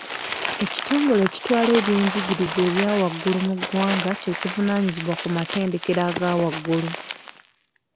Ekitongole ekitwala ebyenjigiriza ebyawaggulu mu ggwanga kye kivunaanyizibwa ku matendekero aga waggulu.